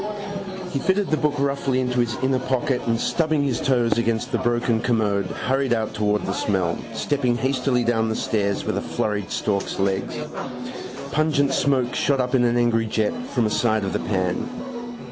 He fitted the book roughly into his inner pocket and, stubbing his toes against the broken commode, hurried out towards the smell, stepping hastily down the stairs with a flurried stork's legs. Pungent smoke shot up in an angry jet from a side of the pan.